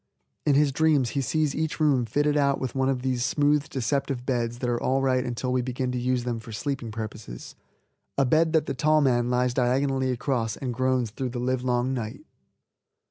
In his dreams he sees each room fitted out with one of those smooth, deceptive beds that are all right until we begin to use them for sleeping purposes, a bed that the tall man lies diagonally across and groans through the livelong night.